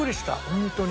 ホントに。